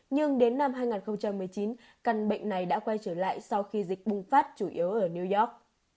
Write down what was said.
nhưng đến năm hai nghìn một mươi chín căn bệnh này đã quay trở lại sau khi dịch bùng phát chủ yếu ở new york